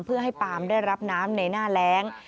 เพื่อให้ปาล์มได้รับน้ำในหน้าแรง